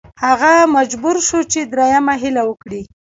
هغه مجبور شو چې دریمه هیله وکړي.